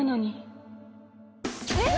えっ？